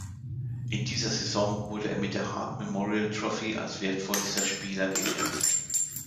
In dieser Saison wurde er mit der Hart Memorial Trophy als wertvollster Spieler geehrt.